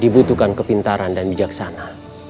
dibutuhkan kepintaran dan bijaksana